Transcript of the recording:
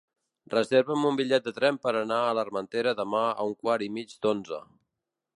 Reserva'm un bitllet de tren per anar a l'Armentera demà a un quart i mig d'onze.